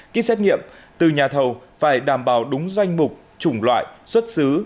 kinh xét nghiệm từ nhà thầu phải đảm bảo đúng doanh mục chủng loại xuất xứ